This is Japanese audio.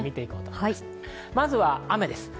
まずは雨です。